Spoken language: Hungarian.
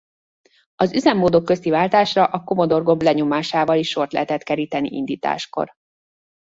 Az üzemmódok közti váltásra a Commodore gomb lenyomásával is sort lehetett keríteni indításkor.